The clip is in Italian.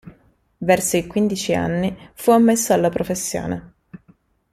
Verso i quindici anni fu ammesso alla professione.